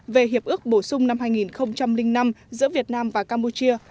về hiệp ước bổ sung năm hai nghìn năm giữa việt nam và campuchia